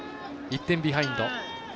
１点ビハインド。